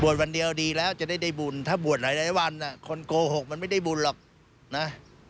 วันเดียวดีแล้วจะได้บุญถ้าบวชหลายวันคนโกหกมันไม่ได้บุญหรอกนะ